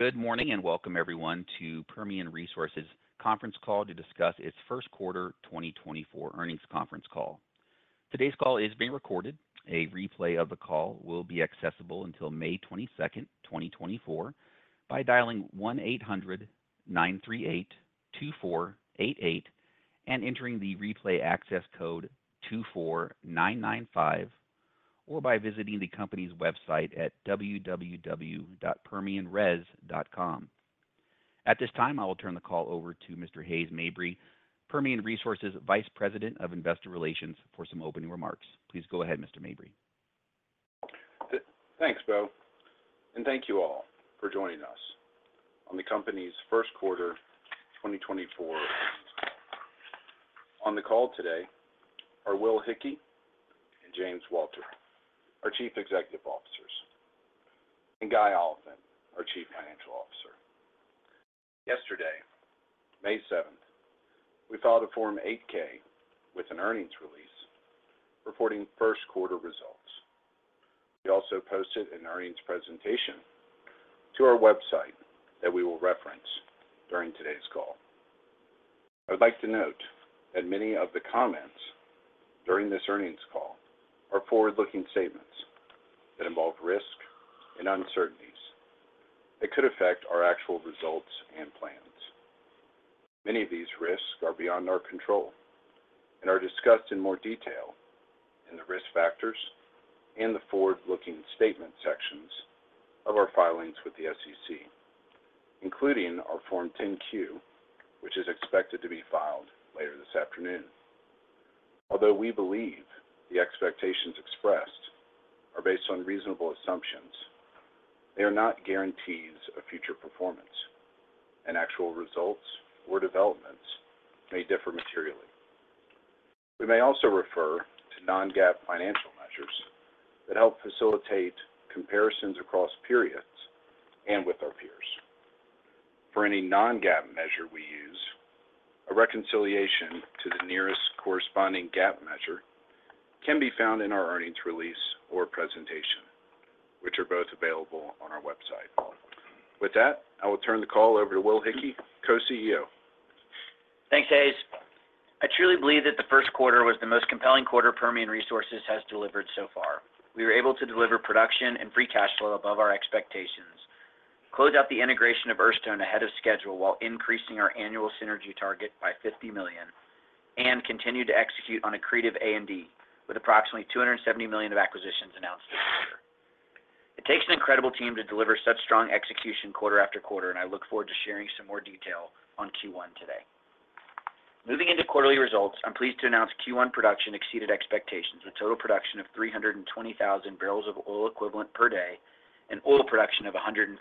Good morning, and welcome everyone to Permian Resources Conference Call to discuss its first quarter 2024 earnings conference call. Today's call is being recorded. A replay of the call will be accessible until May 22, 2024 by dialing 1-800-938-2488 and entering the replay access code 24995, or by visiting the company's website at www.permianres.com. At this time, I will turn the call over to Mr. Hays Mabry, Permian Resources Vice President of Investor Relations, for some opening remarks. Please go ahead, Mr. Mabry. Thanks, Bo, and thank you all for joining us on the company's first quarter 2024. On the call today are Will Hickey and James Walter, our Chief Executive Officers, and Guy Oliphant, our Chief Financial Officer. Yesterday, May 7th, we filed a Form 8-K with an earnings release reporting first quarter results. We also posted an earnings presentation to our website that we will reference during today's call. I would like to note that many of the comments during this earnings call are forward-looking statements that involve risk and uncertainties that could affect our actual results and plans. Many of these risks are beyond our control and are discussed in more detail in the risk factors and the forward-looking statement sections of our filings with the SEC, including our Form 10-Q, which is expected to be filed later this afternoon. Although we believe the expectations expressed are based on reasonable assumptions, they are not guarantees of future performance, and actual results or developments may differ materially. We may also refer to non-GAAP financial measures that help facilitate comparisons across periods and with our peers. For any non-GAAP measure we use, a reconciliation to the nearest corresponding GAAP measure can be found in our earnings release or presentation, which are both available on our website. With that, I will turn the call over to Will Hickey, Co-CEO. Thanks, Hays. I truly believe that the first quarter was the most compelling quarter Permian Resources has delivered so far. We were able to deliver production and free cash flow above our expectations, close out the integration of Earthstone ahead of schedule, while increasing our annual synergy target by $50 million, and continued to execute on accretive A&D with approximately $270 million of acquisitions announced this quarter. It takes an incredible team to deliver such strong execution quarter after quarter, and I look forward to sharing some more detail on Q1 today. Moving into quarterly results, I'm pleased to announce Q1 production exceeded expectations, with total production of 320,000 barrels of oil equivalent per day and oil production of 152,000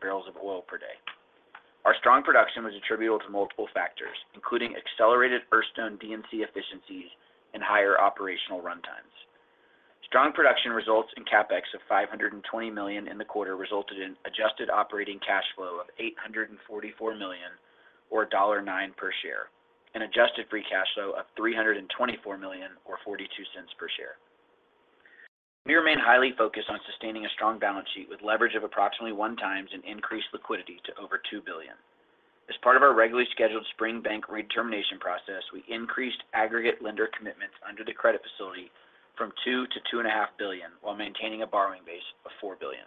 barrels of oil per day. Our strong production was attributable to multiple factors, including accelerated Earthstone D&C efficiencies and higher operational runtimes. Strong production results in CapEx of $520 million in the quarter resulted in adjusted operating cash flow of $844 million, or $9 per share, and adjusted free cash flow of $324 million, or $0.42 per share. We remain highly focused on sustaining a strong balance sheet with leverage of approximately 1x and increased liquidity to over $2 billion. As part of our regularly scheduled spring bank redetermination process, we increased aggregate lender commitments under the credit facility from $2 billion-$2.5 billion, while maintaining a borrowing base of $4 billion.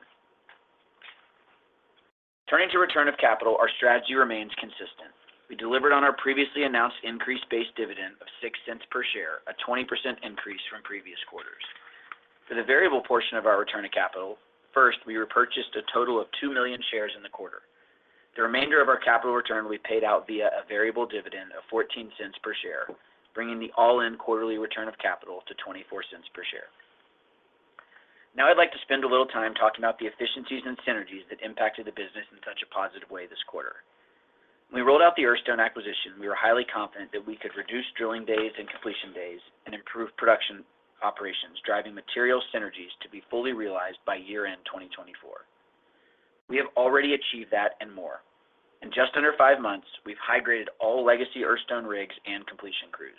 Turning to return of capital, our strategy remains consistent. We delivered on our previously announced increased base dividend of $0.06 per share, a 20% increase from previous quarters. For the variable portion of our return of capital, first, we repurchased a total of 2 million shares in the quarter. The remainder of our capital return we paid out via a variable dividend of $0.14 per share, bringing the all-in quarterly return of capital to $0.24 per share. Now, I'd like to spend a little time talking about the efficiencies and synergies that impacted the business in such a positive way this quarter. When we rolled out the Earthstone acquisition, we were highly confident that we could reduce drilling days and completion days and improve production operations, driving material synergies to be fully realized by year-end 2024. We have already achieved that and more. In just under five months, we've high-graded all legacy Earthstone rigs and completion crews.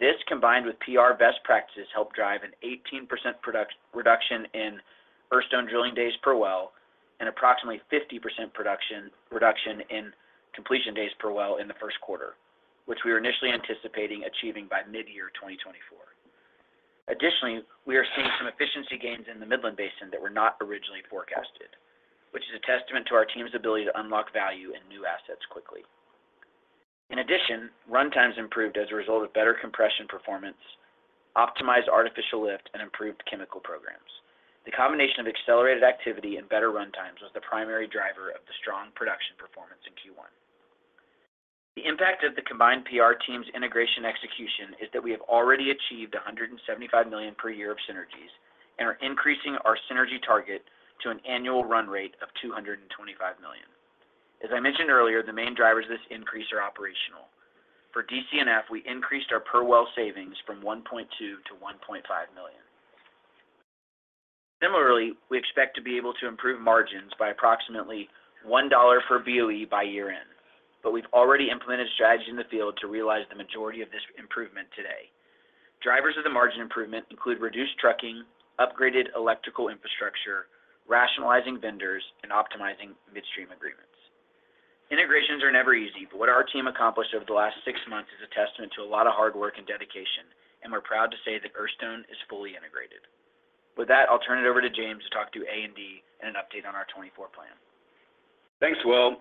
This, combined with PR best practices, helped drive an 18% productivity reduction in Earthstone drilling days per well and approximately 50% production, reduction in completion days per well in the first quarter, which we were initially anticipating achieving by mid-year 2024. Additionally, we are seeing some efficiency gains in the Midland Basin that were not originally forecasted, which is a testament to our team's ability to unlock value in new assets quickly. In addition, runtimes improved as a result of better compression performance, optimized artificial lift, and improved chemical programs. The combination of accelerated activity and better runtimes was the primary driver of the strong production performance in Q1. The impact of the combined PR team's integration execution is that we have already achieved $175 million per year of synergies and are increasing our synergy target to an annual run rate of $225 million. As I mentioned earlier, the main drivers of this increase are operational. For D&C, we increased our per well savings from $1.2 million-$1.5 million. Similarly, we expect to be able to improve margins by approximately $1 per BOE by year-end, but we've already implemented strategies in the field to realize the majority of this improvement today.... Drivers of the margin improvement include reduced trucking, upgraded electrical infrastructure, rationalizing vendors, and optimizing midstream agreements. Integrations are never easy, but what our team accomplished over the last six months is a testament to a lot of hard work and dedication, and we're proud to say that Earthstone is fully integrated. With that, I'll turn it over to James to talk to A&D and an update on our 2024 plan. Thanks, Will.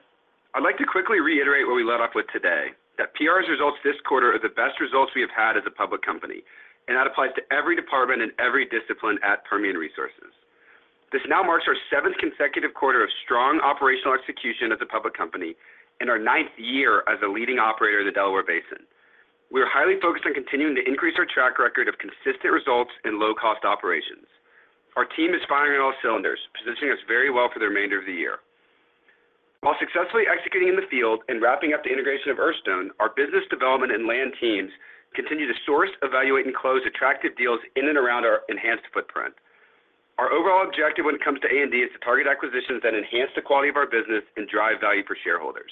I'd like to quickly reiterate what we led off with today, that PR's results this quarter are the best results we have had as a public company, and that applies to every department and every discipline at Permian Resources. This now marks our seventh consecutive quarter of strong operational execution as a public company and our ninth year as a leading operator in the Delaware Basin. We are highly focused on continuing to increase our track record of consistent results and low-cost operations. Our team is firing on all cylinders, positioning us very well for the remainder of the year. While successfully executing in the field and wrapping up the integration of Earthstone, our business development and land teams continue to source, evaluate, and close attractive deals in and around our enhanced footprint. Our overall objective when it comes to A&D is to target acquisitions that enhance the quality of our business and drive value for shareholders.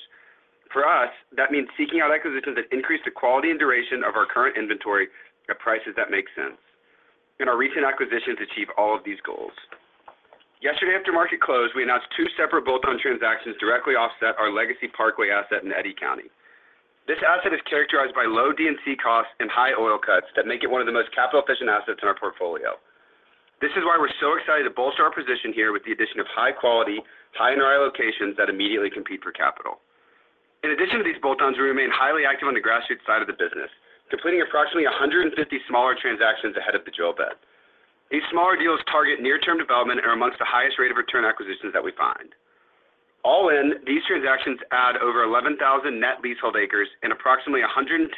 For us, that means seeking out acquisitions that increase the quality and duration of our current inventory at prices that make sense, and our recent acquisitions achieve all of these goals. Yesterday, after market close, we announced two separate bolt-on transactions directly offset our legacy Parkway asset in Eddy County. This asset is characterized by low D&C costs and high oil cuts that make it one of the most capital-efficient assets in our portfolio. This is why we're so excited to bolster our position here with the addition of high quality, high ROI locations that immediately compete for capital. In addition to these bolt-ons, we remain highly active on the grassroots side of the business, completing approximately 150 smaller transactions ahead of the drill bit. These smaller deals target near-term development and are among the highest rate of return acquisitions that we find. All in, these transactions add over 11,000 net leasehold acres and approximately 110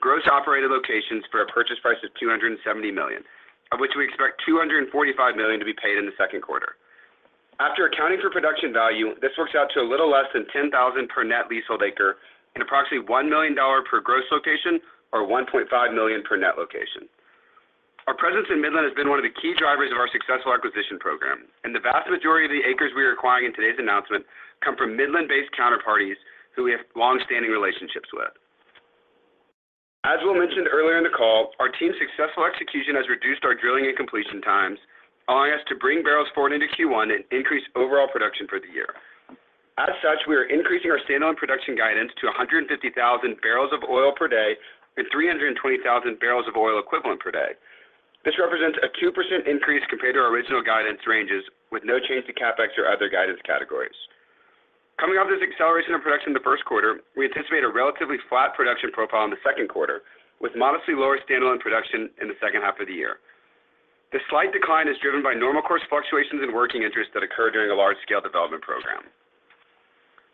gross operated locations for a purchase price of $270 million, of which we expect $245 million to be paid in the second quarter. After accounting for production value, this works out to a little less than $10,000 per net leasehold acre and approximately $1 million per gross location or $1.5 million per net location. Our presence in Midland has been one of the key drivers of our successful acquisition program, and the vast majority of the acres we are acquiring in today's announcement come from Midland-based counterparties who we have long-standing relationships with. As Will mentioned earlier in the call, our team's successful execution has reduced our drilling and completion times, allowing us to bring barrels forward into Q1 and increase overall production for the year. As such, we are increasing our standalone production guidance to 150,000 barrels of oil per day and 320,000 barrels of oil equivalent per day. This represents a 2% increase compared to our original guidance ranges, with no change to CapEx or other guidance categories. Coming off this acceleration of production in the first quarter, we anticipate a relatively flat production profile in the second quarter, with modestly lower standalone production in the second half of the year. This slight decline is driven by normal course fluctuations in working interest that occur during a large-scale development program.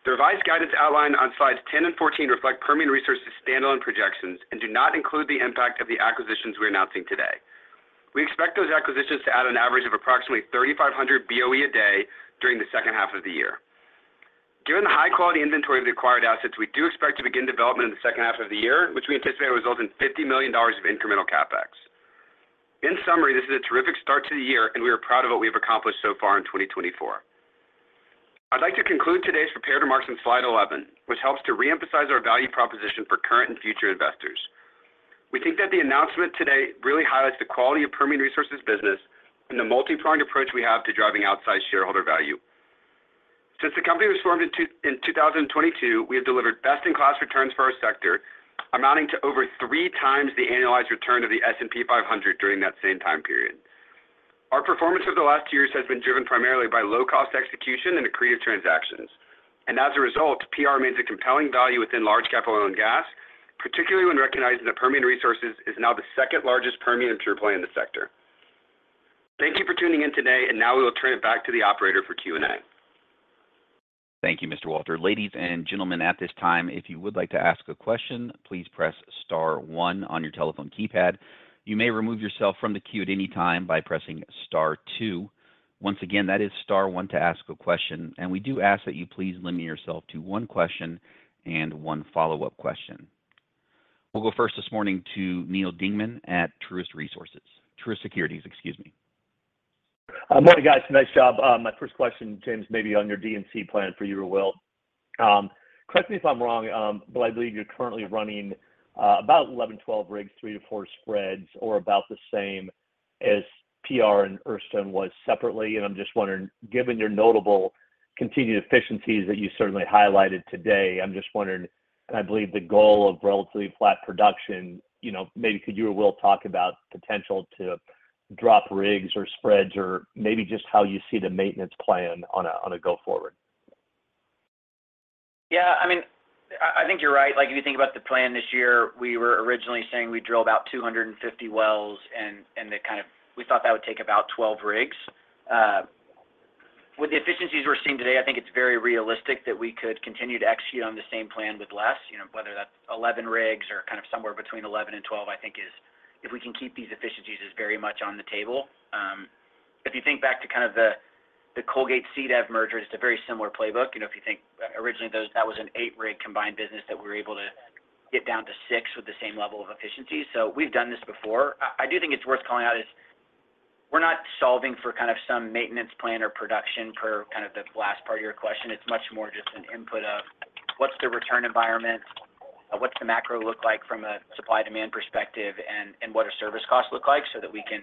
The revised guidance outlined on slides 10 and 14 reflect Permian Resources' standalone projections and do not include the impact of the acquisitions we're announcing today. We expect those acquisitions to add an average of approximately 3,500 BOE a day during the second half of the year. Given the high quality inventory of the acquired assets, we do expect to begin development in the second half of the year, which we anticipate will result in $50 million of incremental CapEx. In summary, this is a terrific start to the year, and we are proud of what we have accomplished so far in 2024. I'd like to conclude today's prepared remarks on slide 11, which helps to reemphasize our value proposition for current and future investors. We think that the announcement today really highlights the quality of Permian Resources business and the multipronged approach we have to driving outside shareholder value. Since the company was formed in 2022, we have delivered best-in-class returns for our sector, amounting to over three times the annualized return of the S&P 500 during that same time period. Our performance over the last two years has been driven primarily by low-cost execution and accretive transactions, and as a result, PR remains a compelling value within large capital and gas, particularly when recognizing that Permian Resources is now the second-largest Permian pure play in the sector. Thank you for tuning in today, and now we will turn it back to the operator for Q&A. Thank you, Mr. Walter. Ladies and gentlemen, at this time, if you would like to ask a question, please press star one on your telephone keypad. You may remove yourself from the queue at any time by pressing star two. Once again, that is star one to ask a question, and we do ask that you please limit yourself to one question and one follow-up question. We'll go first this morning to Neal Dingmann at Truist Resources—Truist Securities, excuse me. Morning, guys. Nice job. My first question, James, may be on your D&C plan for you or Will. Correct me if I'm wrong, but I believe you're currently running about 11, 12 rigs, 3-4 spreads, or about the same as PR and Earthstone was separately. I'm just wondering, given your notable continued efficiencies that you certainly highlighted today, I'm just wondering, and I believe the goal of relatively flat production, you know, maybe could you or Will talk about potential to drop rigs or spreads, or maybe just how you see the maintenance plan on a go forward? Yeah, I mean, I think you're right. Like, if you think about the plan this year, we were originally saying we'd drill about 250 wells, and that kind of... We thought that would take about 12 rigs. With the efficiencies we're seeing today, I think it's very realistic that we could continue to execute on the same plan with less. You know, whether that's 11 rigs or kind of somewhere between 11 and 12, I think is, if we can keep these efficiencies, is very much on the table. If you think back to kind of the, the Colgate CDEV merger, it's a very similar playbook. You know, if you think originally that was an 8-rig combined business that we were able to get down to six with the same level of efficiency, so we've done this before. I do think it's worth calling out. We're not solving for kind of some maintenance plan or production per kind of the last part of your question. It's much more just an input of what's the return environment, what's the macro look like from a supply-demand perspective, and what our service costs look like, so that we can,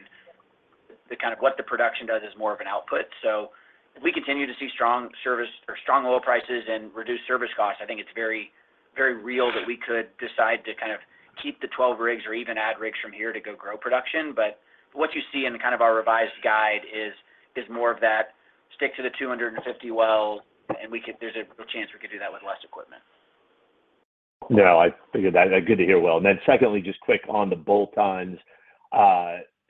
the kind of what the production does is more of an output. So if we continue to see strong service or strong oil prices and reduced service costs, I think it's very, very real that we could decide to kind of keep the 12 rigs or even add rigs from here to go grow production. But what you see in kind of our revised guide is more of that, stick to the 250 wells, and we could—there's a chance we could do that with less equipment. No, I figured that. Good to hear, Will. Then secondly, just quick on the bolt-ons,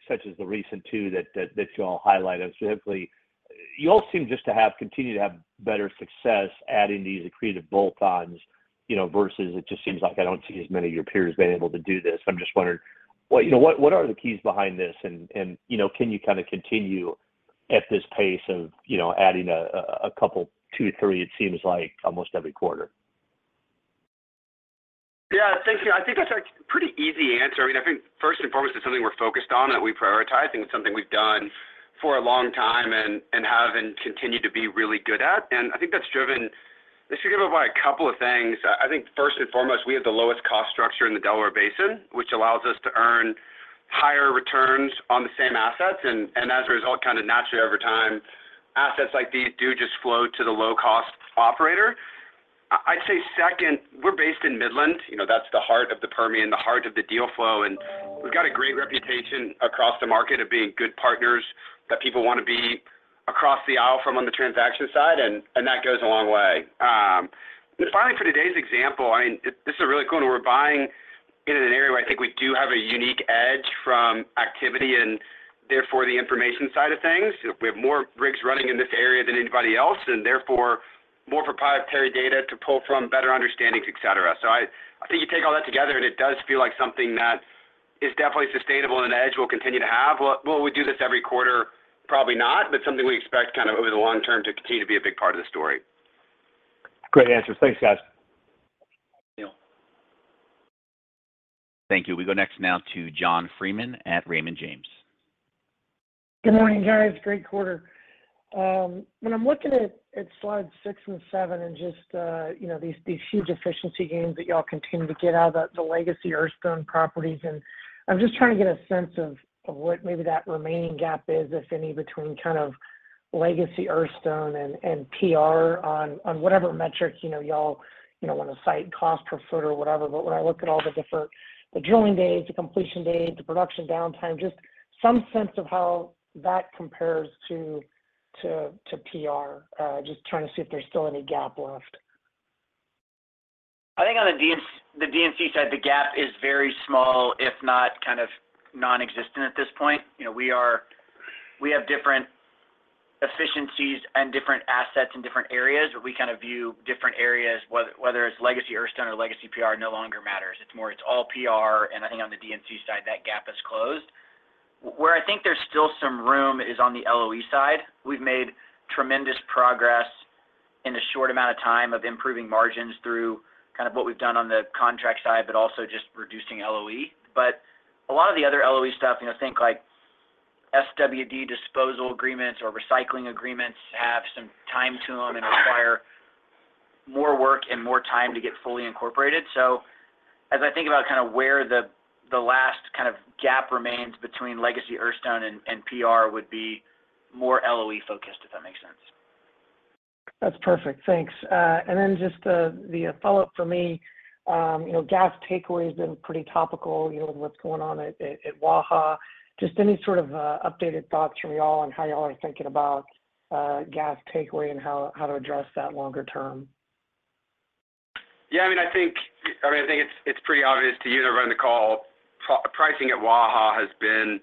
such as the recent two that you all highlighted. So definitely, you all seem just to have continued to have better success adding these accretive bolt-ons, you know, versus it just seems like I don't see as many of your peers being able to do this. I'm just wondering, what, you know, what are the keys behind this? And, you know, can you kind of continue at this pace of, you know, adding a couple, two to three, it seems like almost every quarter? Yeah, thank you. I think that's a pretty easy answer. I mean, I think first and foremost, it's something we're focused on, that we prioritize. I think it's something we've done for a long time and have continued to be really good at. And I think that's driven by a couple of things. I think first and foremost, we have the lowest cost structure in the Delaware Basin, which allows us to earn higher returns on the same assets. And as a result, kind of naturally, over time, assets like these do just flow to the low-cost operator. I'd say second, we're based in Midland, you know, that's the heart of the Permian, the heart of the deal flow, and we've got a great reputation across the market of being good partners, that people wanna be across the aisle from on the transaction side, and that goes a long way. And finally, for today's example, I mean, this is really cool, and we're buying in an area where I think we do have a unique edge from activity and therefore the information side of things. We have more rigs running in this area than anybody else, and therefore more proprietary data to pull from, better understandings, et cetera. So I think you take all that together, and it does feel like something that is definitely sustainable and an edge we'll continue to have. Will, will we do this every quarter? Probably not, but something we expect kind of over the long term to continue to be a big part of the story. Great answers. Thanks, guys. Thank you. Thank you. We go next now to John Freeman at Raymond James. Good morning, guys. Great quarter. When I'm looking at slide six and seven and just, you know, these huge efficiency gains that y'all continue to get out of the legacy Earthstone properties, and I'm just trying to get a sense of what maybe that remaining gap is, if any, between kind of legacy Earthstone and PR on whatever metrics, you know, y'all want to cite, cost per foot or whatever. But when I look at all the different, the drilling days, the completion days, the production downtime, just some sense of how that compares to PR. Just trying to see if there's still any gap left. I think on the D&C, the D&C side, the gap is very small, if not kind of nonexistent at this point. You know, we have different efficiencies and different assets in different areas, but we kind of view different areas, whether it's legacy Earthstone or legacy PR, no longer matters. It's more it's all PR, and I think on the D&C side, that gap is closed. Where I think there's still some room is on the LOE side. We've made tremendous progress in a short amount of time of improving margins through kind of what we've done on the contract side, but also just reducing LOE. But a lot of the other LOE stuff, you know, things like SWD disposal agreements or recycling agreements, have some time to them and require more work and more time to get fully incorporated. So, as I think about kind of where the last kind of gap remains between legacy Earthstone and PR, would be more LOE-focused, if that makes sense. That's perfect. Thanks. And then just the follow-up for me, you know, gas takeaway has been pretty topical, you know, with what's going on at Waha. Just any sort of updated thoughts from you all on how you all are thinking about gas takeaway and how to address that longer term? Yeah, I mean, I think it's pretty obvious to you that are on the call. Pricing at Waha has been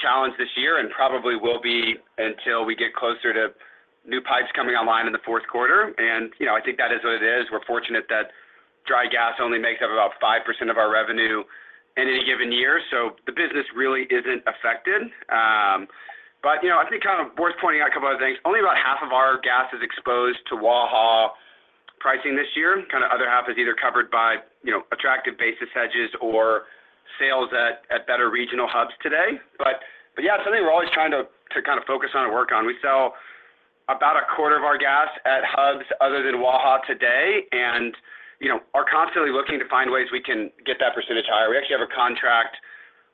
challenged this year and probably will be until we get closer to new pipes coming online in the fourth quarter. And, you know, I think that is what it is. We're fortunate that dry gas only makes up about 5% of our revenue in any given year, so the business really isn't affected. But, you know, I think kind of worth pointing out a couple other things. Only about half of our gas is exposed to Waha pricing this year. Kind of other half is either covered by, you know, attractive basis hedges or sales at better regional hubs today. But yeah, something we're always trying to kind of focus on and work on. We sell about a quarter of our gas at hubs other than Waha today and, you know, are constantly looking to find ways we can get that percentage higher. We actually have a contract,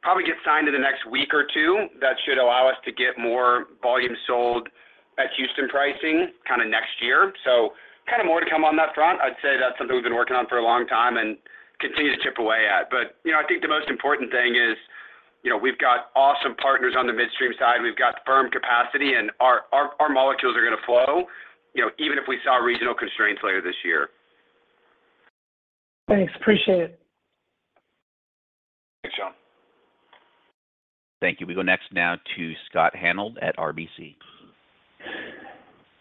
probably get signed in the next week or two, that should allow us to get more volume sold at Houston pricing kind of next year. So kind of more to come on that front. I'd say that's something we've been working on for a long time and continue to chip away at. But, you know, I think the most important thing is, you know, we've got awesome partners on the midstream side. We've got firm capacity, and our molecules are gonna flow, you know, even if we saw regional constraints later this year. Thanks. Appreciate it. Thanks, John. Thank you. We go next now to Scott Hanold at RBC.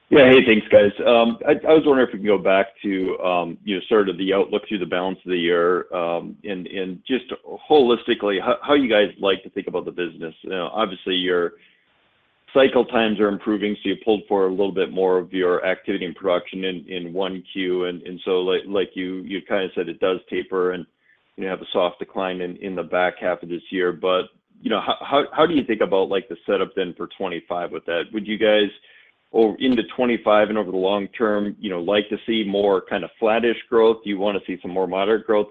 Yeah. Hey, thanks, guys. I was wondering if we can go back to, you know, sort of the outlook through the balance of the year, and just holistically, how you guys like to think about the business. You know, obviously, your cycle times are improving, so you pulled for a little bit more of your activity and production in 1Q. And so like, you kind of said it does taper, and you have a soft decline in the back half of this year. But, you know, how do you think about, like, the setup then for 2025 with that? Would you guys, or into 2025 and over the long term, you know, like to see more kind of flattish growth? Do you want to see some more moderate growth?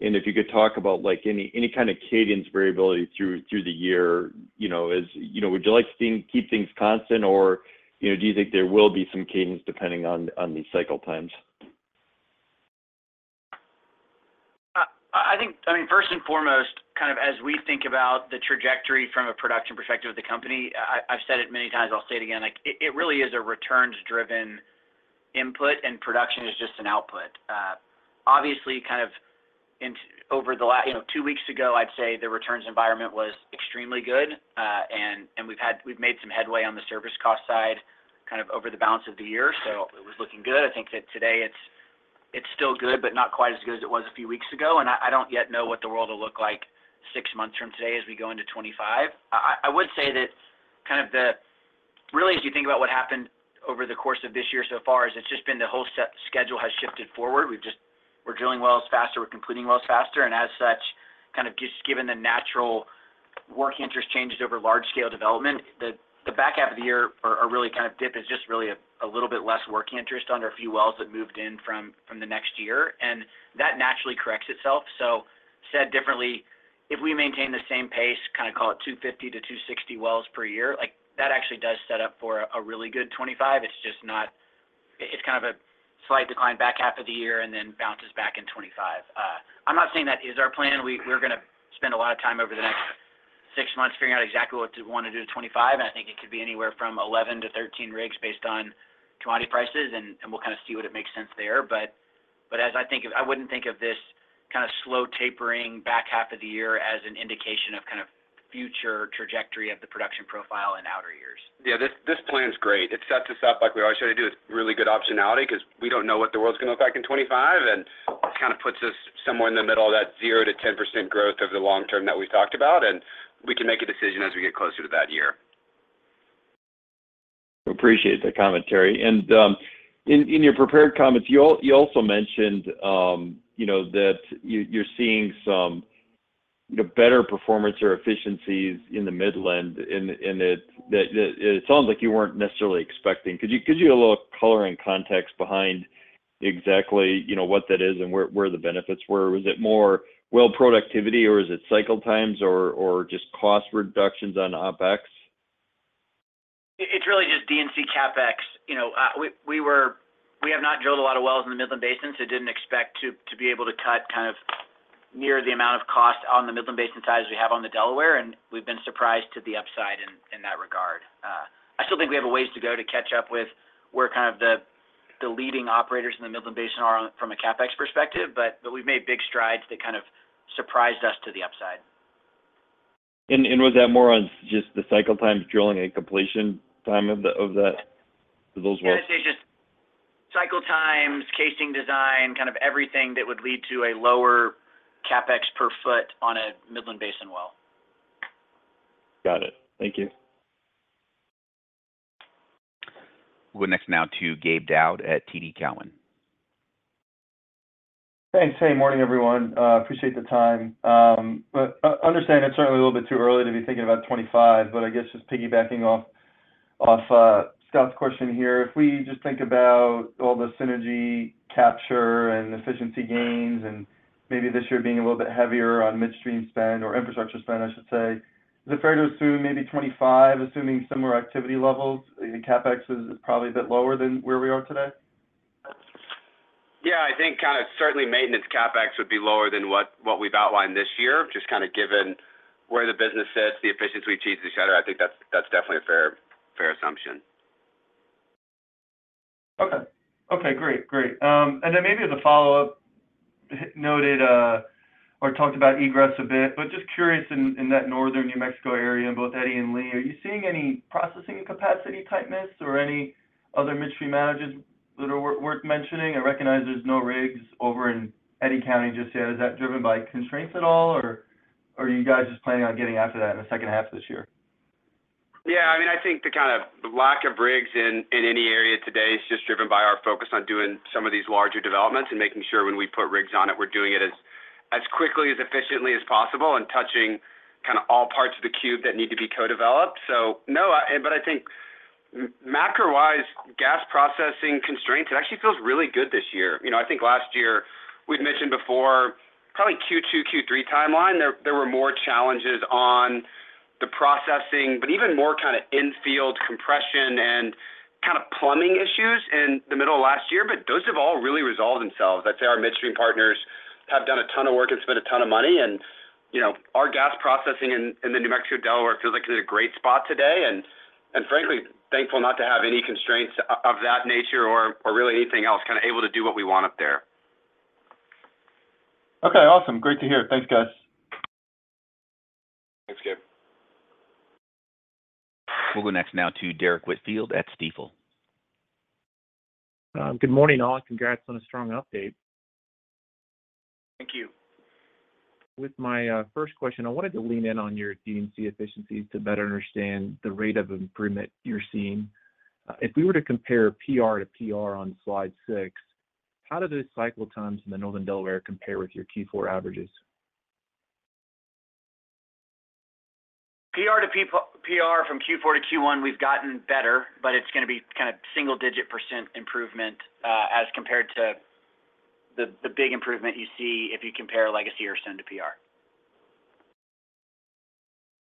If you could talk about, like, any kind of cadence variability through the year, you know, would you like to keep things constant or, you know, do you think there will be some cadence depending on the cycle times? I think, I mean, first and foremost, kind of as we think about the trajectory from a production perspective of the company, I've said it many times, I'll say it again, like, it really is a returns-driven input, and production is just an output. Obviously, kind of over the last, you know, two weeks ago, I'd say the returns environment was extremely good. And we've made some headway on the service cost side, kind of over the balance of the year, so it was looking good. I think that today it's still good, but not quite as good as it was a few weeks ago, and I don't yet know what the world will look like six months from today as we go into 2025. I would say that kind of the... Really, as you think about what happened over the course of this year so far, is it's just been the whole set schedule has shifted forward. We've just, we're drilling wells faster, we're completing wells faster, and as such, kind of just given the natural working interest changes over large scale development, the, the back half of the year or, or really kind of dip is just really a, a little bit less working interest under a few wells that moved in from, from the next year. And that naturally corrects itself. So said differently, if we maintain the same pace, kind of call it 250-260 wells per year, like, that actually does set up for a really good 2025. It's just not, it, it's kind of a slight decline back half of the year, and then bounces back in 2025. I'm not saying that is our plan. We're gonna spend a lot of time over the next six months figuring out exactly what we wanna do to 2025, and I think it could be anywhere from 11 to 13 rigs based on commodity prices, and we'll kind of see what it makes sense there. But as I think of, I wouldn't think of this kind of slow tapering back half of the year as an indication of kind of future trajectory of the production profile in outer years. Yeah, this plan is great. It sets us up like we always try to do, with really good optionality, 'cause we don't know what the world's gonna look like in 2025, and it kind of puts us somewhere in the middle of that 0%-10% growth over the long term that we've talked about, and we can make a decision as we get closer to that year. Appreciate the commentary. In your prepared comments, you also mentioned, you know, that you're seeing some, you know, better performance or efficiencies in the Midland, and that it sounds like you weren't necessarily expecting. Could you give a little color and context behind exactly, you know, what that is and where the benefits were? Was it more well productivity, or is it cycle times, or just cost reductions on OpEx? It's really just D&C CapEx. You know, we have not drilled a lot of wells in the Midland Basin, so didn't expect to be able to cut kind of near the amount of cost on the Midland Basin side as we have on the Delaware, and we've been surprised to the upside in that regard. I still think we have a ways to go to catch up with where kind of the leading operators in the Midland Basin are on from a CapEx perspective, but we've made big strides that kind of surprised us to the upside. And was that more on just the cycle times, drilling, and completion time of those wells? I'd say just cycle times, casing design, kind of everything that would lead to a lower CapEx per foot on a Midland Basin well. Got it. Thank you. We'll go next now to Gabe Daoud at TD Cowen. Thanks. Hey, morning, everyone. Appreciate the time. But understand it's certainly a little bit too early to be thinking about 25, but I guess just piggybacking off Scott's question here. If we just think about all the synergy capture and efficiency gains and maybe this year being a little bit heavier on midstream spend or infrastructure spend, I should say, is it fair to assume maybe 25, assuming similar activity levels, the CapEx is probably a bit lower than where we are today? Yeah, I think kind of certainly maintenance CapEx would be lower than what, what we've outlined this year. Just kinda given where the business sits, the efficiency we've achieved this year. I think that's, that's definitely a fair, fair assumption. Okay. Okay, great. Great. And then maybe as a follow-up, noted or talked about egress a bit, but just curious in that northern New Mexico area, in both Eddy and Lea, are you seeing any processing capacity tightness or any other midstream issues that are worth mentioning? I recognize there's no rigs over in Eddy County just yet. Is that driven by constraints at all, or are you guys just planning on getting after that in the second half of this year? Yeah, I mean, I think the kind of lack of rigs in any area today is just driven by our focus on doing some of these larger developments and making sure when we put rigs on it, we're doing it as quickly, as efficiently as possible, and touching kinda all parts of the cube that need to be co-developed. So no, but I think macro-wise, gas processing constraints, it actually feels really good this year. You know, I think last year, we'd mentioned before, probably Q2, Q3 timeline, there were more challenges on the processing, but even more kind of in-field compression and kind of plumbing issues in the middle of last year, but those have all really resolved themselves. I'd say our midstream partners have done a ton of work and spent a ton of money, and, you know, our gas processing in the New Mexico, Delaware, feels like they're in a great spot today. And frankly, thankful not to have any constraints of that nature or really anything else, kinda able to do what we want up there. Okay, awesome. Great to hear. Thanks, guys. Thanks, Gabe. We'll go next now to Derrick Whitfield at Stifel. Good morning, all. Congrats on a strong update. Thank you. With my first question, I wanted to lean in on your D&C efficiencies to better understand the rate of improvement you're seeing. If we were to compare PR to PR on slide six, how do those cycle times in the Northern Delaware compare with your Q4 averages? PR to PR from Q4 to Q1, we've gotten better, but it's gonna be kind of single-digit % improvement, as compared to the big improvement you see if you compare legacy Centennial to PR.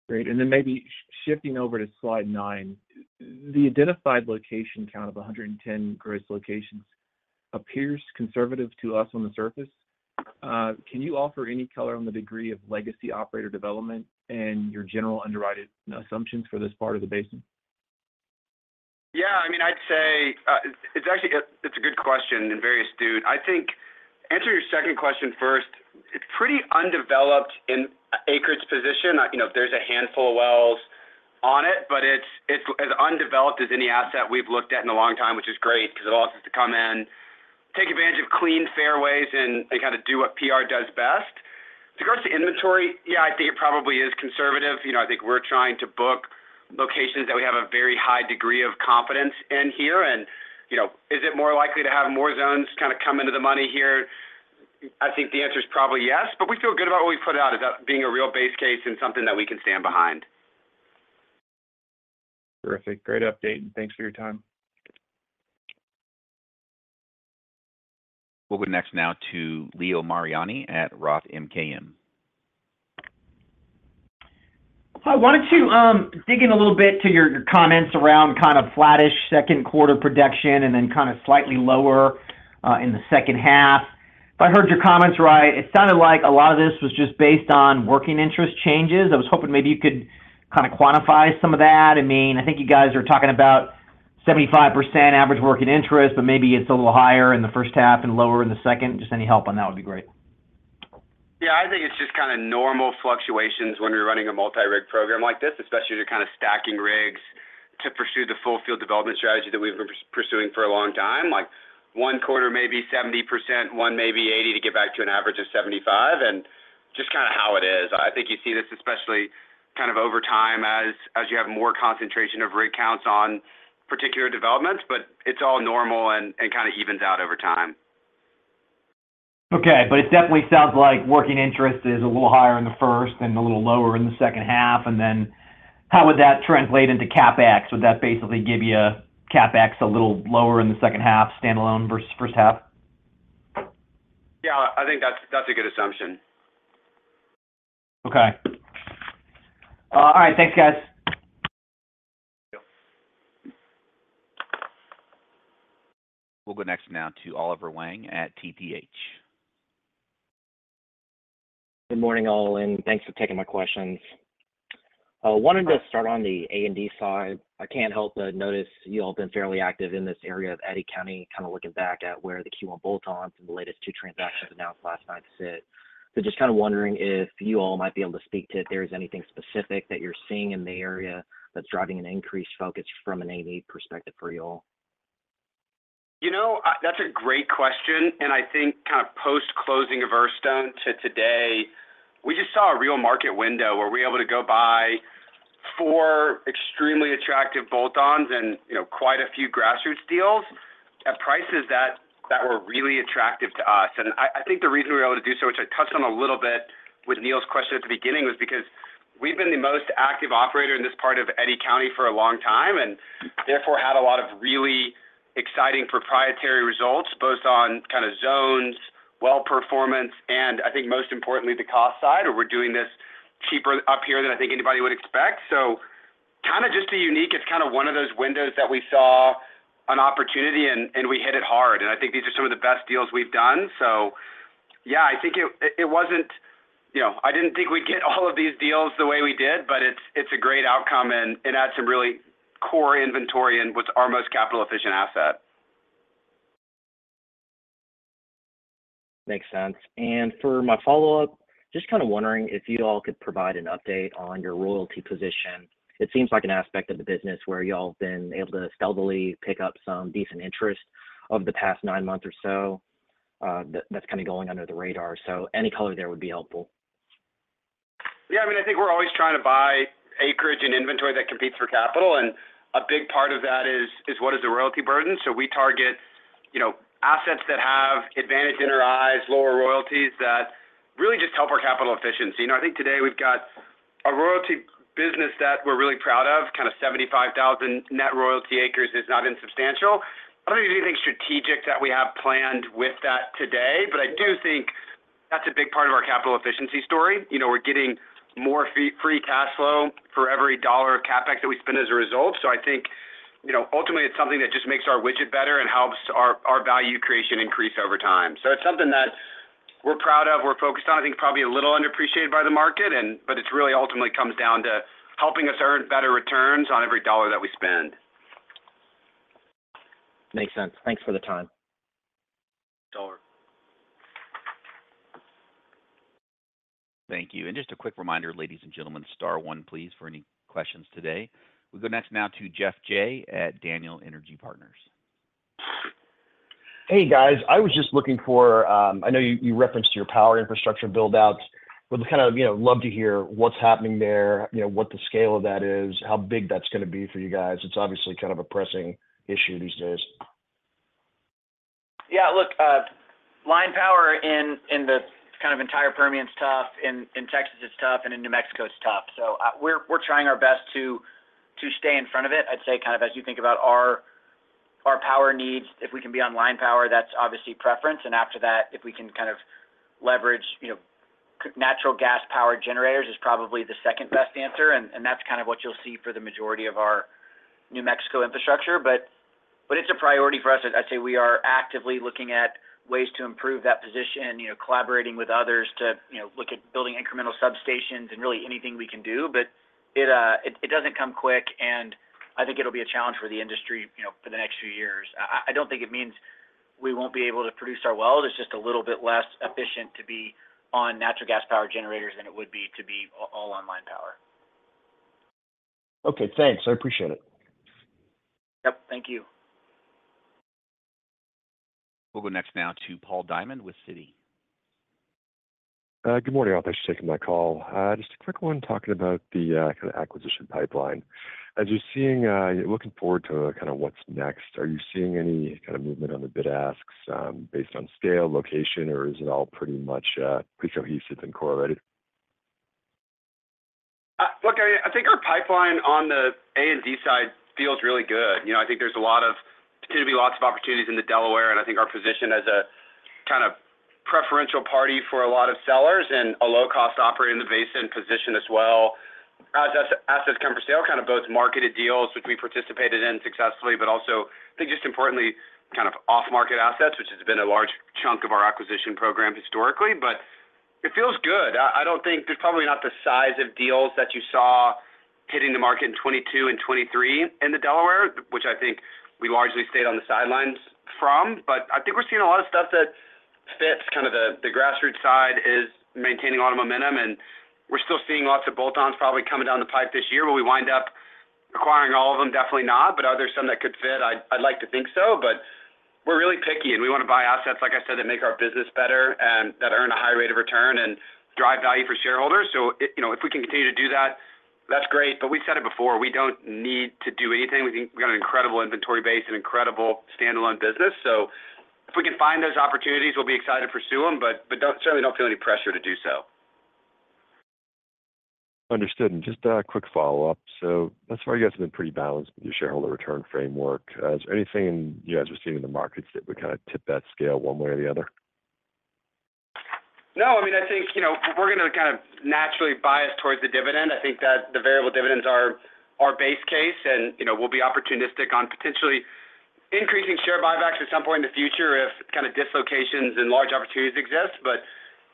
Great. Then maybe shifting over to slide nine. The identified location count of 110 gross locations appears conservative to us on the surface. Can you offer any color on the degree of legacy operator development and your general underwritten assumptions for this part of the basin? Yeah, I mean, I'd say it's actually a good question and very astute. I think answer your second question first. It's pretty undeveloped in acreage position. You know, there's a handful of wells on it, but it's as undeveloped as any asset we've looked at in a long time, which is great because it allows us to come in, take advantage of clean fairways and kinda do what PR does best. Regardless of inventory, yeah, I think it probably is conservative. You know, I think we're trying to book locations that we have a very high degree of confidence in here. And you know, is it more likely to have more zones kinda come into the money here? I think the answer is probably yes, but we feel good about what we put out, about being a real base case and something that we can stand behind. Terrific. Great update, and thanks for your time. We'll go next now to Leo Mariani at ROTH MKM. Hi. I wanted to dig in a little bit to your, your comments around kind of flattish second quarter production and then kinda slightly lower in the second half. If I heard your comments right, it sounded like a lot of this was just based on working interest changes. I was hoping maybe you could kinda quantify some of that. I mean, I think you guys are talking about 75% average working interest, but maybe it's a little higher in the first half and lower in the second. Just any help on that would be great. Yeah, I think it's just kinda normal fluctuations when you're running a multi-rig program like this, especially to kinda stacking rigs to pursue the full field development strategy that we've been pursuing for a long time. Like, one quarter may be 70%, one may be 80% to get back to an average of 75%, and just kinda how it is. I think you see this especially kind of over time as you have more concentration of rig counts on particular developments, but it's all normal and kinda evens out over time. Okay, but it definitely sounds like working interest is a little higher in the first and a little lower in the second half. And then how would that translate into CapEx? Would that basically give you a CapEx a little lower in the second half, standalone versus first half? Yeah, I think that's, that's a good assumption. Okay. All right. Thanks, guys. We'll go next now to Oliver Huang at TPH. Good morning, all, and thanks for taking my questions. I wanted to start on the A&D side. I can't help but notice you all have been fairly active in this area of Eddy County, kinda looking back at where the Q1 bolt-ons and the latest two transactions announced last night sit. Just kinda wondering if you all might be able to speak to if there is anything specific that you're seeing in the area that's driving an increased focus from an A&D perspective for you all. You know, that's a great question, and I think kinda post-closing of Earthstone to today, we just saw a real market window where we're able to go buy four extremely attractive bolt-ons and, you know, quite a few grassroots deals at prices that were really attractive to us. And I think the reason we're able to do so, which I touched on a little bit with Neil's question at the beginning, was because we've been the most active operator in this part of Eddy County for a long time, and therefore, had a lot of really exciting proprietary results, both on kinda zones, well performance, and I think most importantly, the cost side, where we're doing this cheaper up here than I think anybody would expect. So kinda just a unique—it's kinda one of those windows that we saw an opportunity and, and we hit it hard, and I think these are some of the best deals we've done. So yeah, I think it, it wasn't... You know, I didn't think we'd get all of these deals the way we did, but it's, it's a great outcome, and it adds some really core inventory in what's our most capital-efficient asset. Makes sense. For my follow-up, just kinda wondering if you all could provide an update on your royalty position. It seems like an aspect of the business where you all have been able to steadily pick up some decent interest over the past nine months or so, that's kinda going under the radar. So any color there would be helpful. Yeah, I mean, I think we're always trying to buy acreage and inventory that competes for capital, and a big part of that is, is what is the royalty burden? So we target, you know, assets that have advantage in our eyes, lower royalties that really just help our capital efficiency. You know, I think today we've got a royalty business that we're really proud of, kinda 75,000 net royalty acres is not insubstantial. I don't think anything strategic that we have planned with that today, but I do think that's a big part of our capital efficiency story. You know, we're getting more free cash flow for every dollar of CapEx that we spend as a result. So I think, you know, ultimately, it's something that just makes our widget better and helps our, our value creation increase over time. So it's something that we're proud of, we're focused on, I think, probably a little underappreciated by the market, but it's really ultimately comes down to helping us earn better returns on every dollar that we spend. Makes sense. Thanks for the time. ...Thank you. And just a quick reminder, ladies and gentlemen, star one, please, for any questions today. We'll go next now to Geoff Jay at Daniel Energy Partners. Hey, guys. I was just looking for, I know you referenced your power infrastructure build-outs. Would kind of, you know, love to hear what's happening there, you know, what the scale of that is, how big that's gonna be for you guys. It's obviously kind of a pressing issue these days. Yeah, look, line power in, in the kind of entire Permian is tough, in, in Texas, it's tough, and in New Mexico, it's tough. So, we're, we're trying our best to, to stay in front of it. I'd say kind of as you think about our, our power needs, if we can be on line power, that's obviously preference, and after that, if we can kind of leverage, you know, natural gas power generators is probably the second best answer, and, and that's kind of what you'll see for the majority of our New Mexico infrastructure. But, but it's a priority for us, and I'd say we are actively looking at ways to improve that position, you know, collaborating with others to, you know, look at building incremental substations and really anything we can do. But it doesn't come quick, and I think it'll be a challenge for the industry, you know, for the next few years. I don't think it means we won't be able to produce our wells. It's just a little bit less efficient to be on natural gas power generators than it would be to be all on line power. Okay, thanks. I appreciate it. Yep, thank you. We'll go next now to Paul Diamond with Citi. Good morning, all. Thanks for taking my call. Just a quick one talking about the kind of acquisition pipeline. As you're seeing, looking forward to kind of what's next, are you seeing any kind of movement on the bid asks, based on scale, location, or is it all pretty much pretty cohesive and correlated? Look, I think our pipeline on the A&D side feels really good. You know, I think there's a lot of, there's gonna be lots of opportunities in the Delaware, and I think our position as a kind of preferential party for a lot of sellers and a low-cost operator in the basin position as well. As assets come for sale, kind of both marketed deals, which we participated in successfully, but also, I think just importantly, kind of off-market assets, which has been a large chunk of our acquisition program historically, but it feels good. I don't think there's probably not the size of deals that you saw hitting the market in 2022 and 2023 in the Delaware, which I think we largely stayed on the sidelines from. But I think we're seeing a lot of stuff that fits. Kind of, the grassroots side is maintaining a lot of momentum, and we're still seeing lots of bolt-ons probably coming down the pipe this year, where we wind up acquiring all of them? Definitely not. But are there some that could fit? I'd like to think so, but we're really picky, and we wanna buy assets, like I said, that make our business better and that earn a high rate of return and drive value for shareholders. So if, you know, if we can continue to do that, that's great, but we've said it before, we don't need to do anything. We think we've got an incredible inventory base and incredible standalone business. So if we can find those opportunities, we'll be excited to pursue them, but, but don't - certainly don't feel any pressure to do so. Understood. Just a quick follow-up. That's why you guys have been pretty balanced with your shareholder return framework. Is there anything you guys are seeing in the markets that would kind of tip that scale one way or the other? No, I mean, I think, you know, we're gonna kind of naturally bias towards the dividend. I think that the variable dividends are our base case, and, you know, we'll be opportunistic on potentially increasing share buybacks at some point in the future if kind of dislocations and large opportunities exist. But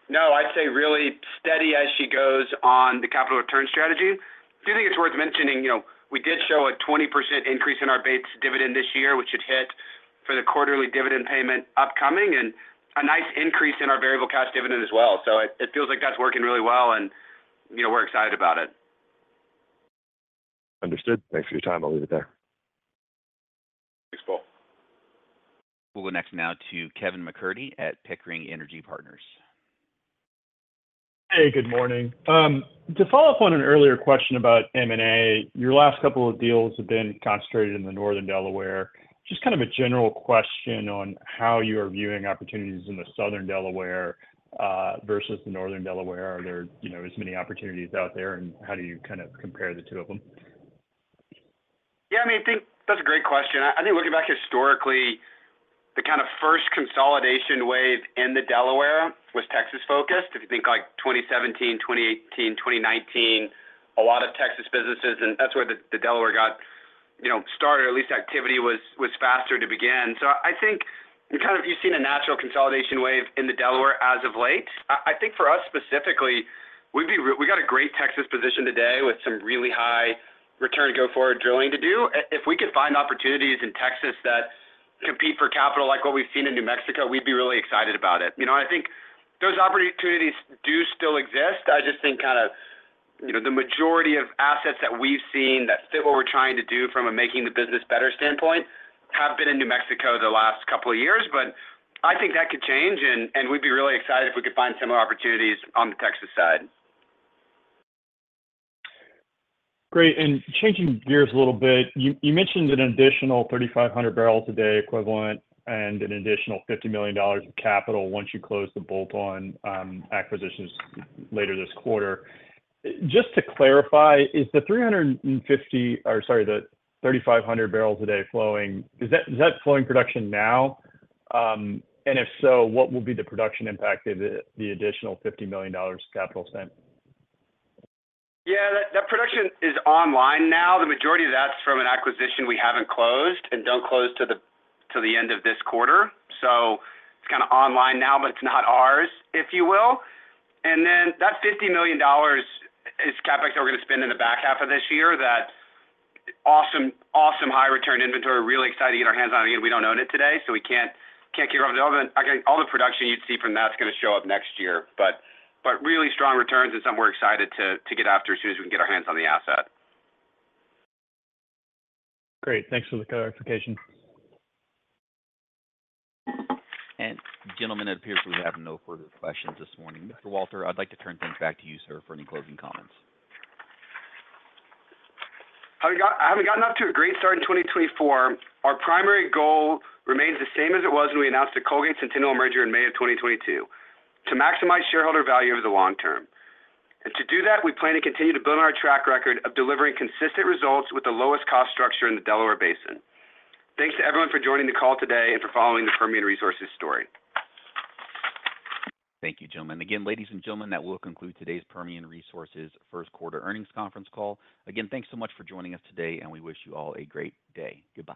no, I'd say really steady as she goes on the capital return strategy. Do think it's worth mentioning, you know, we did show a 20% increase in our base dividend this year, which it hit for the quarterly dividend payment upcoming, and a nice increase in our variable cash dividend as well. So it, it feels like that's working really well, and, you know, we're excited about it. Understood. Thanks for your time. I'll leave it there. Thanks, Paul. We'll go next now to Kevin MacCurdy at Pickering Energy Partners. Hey, good morning. To follow up on an earlier question about M&A, your last couple of deals have been concentrated in the northern Delaware. Just kind of a general question on how you are viewing opportunities in the southern Delaware, versus the northern Delaware. Are there, you know, as many opportunities out there, and how do you kind of compare the two of them? Yeah, I mean, I think that's a great question. I think looking back historically, the kind of first consolidation wave in the Delaware was Texas-focused. If you think, like, 2017, 2018, 2019, a lot of Texas businesses, and that's where the Delaware got, you know, started, or at least activity was faster to begin. So I think you kind of, you've seen a natural consolidation wave in the Delaware as of late. I think for us specifically, we'd be, we got a great Texas position today with some really high return to go forward drilling to do. If we could find opportunities in Texas that compete for capital, like what we've seen in New Mexico, we'd be really excited about it. You know, I think those opportunities do still exist. I just think kind of, you know, the majority of assets that we've seen that fit what we're trying to do from a making the business better standpoint, have been in New Mexico the last couple of years. But I think that could change, and we'd be really excited if we could find similar opportunities on the Texas side. Great, and changing gears a little bit, you mentioned an additional 3,500 barrels a day equivalent and an additional $50 million of capital once you close the bolt-on acquisitions later this quarter. Just to clarify, is the 3,500 barrels a day flowing, is that flowing production now? And if so, what will be the production impact of the additional $50 million capital spend? Yeah, that, that production is online now. The majority of that's from an acquisition we haven't closed and don't close till the, till the end of this quarter. So it's kinda online now, but it's not ours, if you will. And then that $50 million is CapEx that we're gonna spend in the back half of this year. That's awesome, awesome high return inventory, really excited to get our hands on it. Again, we don't own it today, so we can't, can't get around it. All the, again, all the production you'd see from that is gonna show up next year. But, but really strong returns and something we're excited to, to get after as soon as we can get our hands on the asset. Great. Thanks for the clarification. Gentlemen, it appears we have no further questions this morning. Mr. Walter, I'd like to turn things back to you, sir, for any closing comments. Having gotten off to a great start in 2024, our primary goal remains the same as it was when we announced the Colgate Centennial merger in May of 2022, to maximize shareholder value over the long term. And to do that, we plan to continue to build on our track record of delivering consistent results with the lowest cost structure in the Delaware Basin. Thanks to everyone for joining the call today and for following the Permian Resources story. Thank you, gentlemen. Again, ladies and gentlemen, that will conclude today's Permian Resources first quarter earnings conference call. Again, thanks so much for joining us today, and we wish you all a great day. Goodbye.